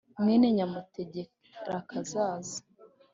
mwene Nyamutegerakazaza